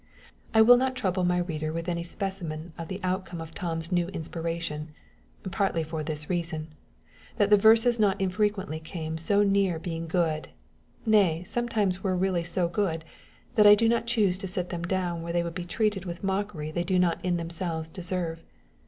I will not trouble my reader with any specimen of the outcome of Tom's new inspiration, partly for this reason, that the verses not unfrequently came so near being good, nay, sometimes were really so good, that I do not choose to set them down where they would be treated with a mockery they do not in themselves deserve.